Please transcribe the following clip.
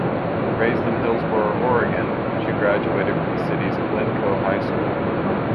Raised in Hillsboro, Oregon, she graduated from the city's Glencoe High School.